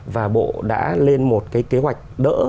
và bộ đã lên một cái kế hoạch đỡ